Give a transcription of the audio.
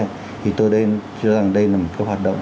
thì tôi cho rằng đây là một cái hoạt động